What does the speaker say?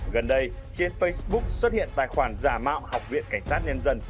gần đây trên facebook xuất hiện tài khoản giả mạo học viện cảnh sát nhân dân